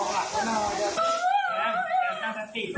แซมสร้างสติ